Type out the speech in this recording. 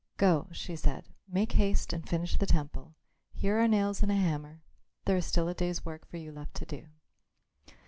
"Go," she said; "make haste and finish the temple. Here are nails and a hammer. There is still a day's work for you left to do."